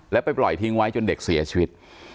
แล้วไปปล่อยทิ้งไว้จนเด็กเสียชีวิต